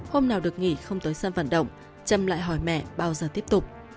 hôm nào được nghỉ không tới sân vận động chăm lại hỏi mẹ bao giờ tiếp tục